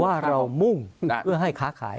ว่าเรามุ่งเพื่อให้ค้าขาย